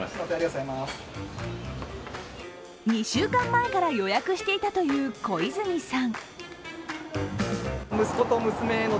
２週間前から予約していたという小泉さん。